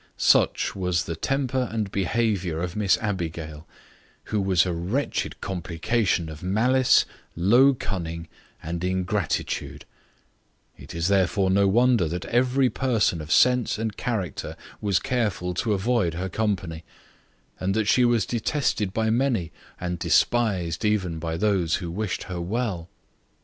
Such was the temper and behaviour of Miss Abigail, who was a wretched complication of malice, low cunning and ingratitude: It is therefore no wonder that every person of sense and character was careful to avoid her company, and that she was detested by many, and despised even by those who wished her well.